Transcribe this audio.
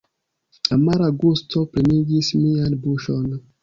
Amara gusto plenigis mian buŝon.